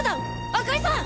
赤井さん！